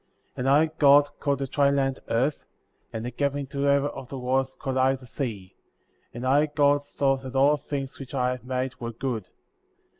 10. And I, God, called the dry land Earth; and the gathering together of the waters called I the Sea; and I, God, saw that all things which I had made were good.